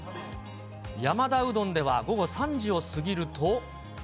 やまだうどんでは午後３時を過ぎると。